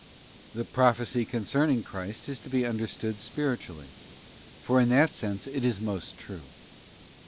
The prophecy concerning Christ is to be understood spiritually, for in that sense is it most true.